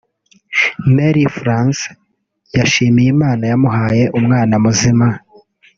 Marie France yashimiye Imana yamuhaye umwana muzima